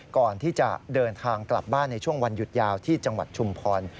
ก่อนที่จะเดินทางกลับบ้านในช่วงวันหยุดยาวที่จังหวัดชุมพร